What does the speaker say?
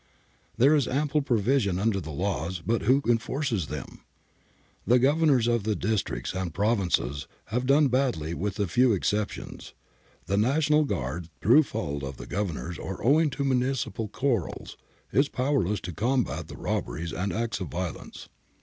There is ample provision under the laws, but who enforces them ? The Governors of the districts and provinces have done badly with a few exceptions. The National Guard, through fault of the Governors or owing to municipal quarrels, is powerless to combat the robberies and acts of violence.'